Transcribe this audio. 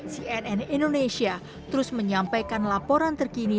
cnn indonesia terus menyampaikan laporan terkini